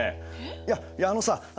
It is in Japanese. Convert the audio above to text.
いやいやあのさあ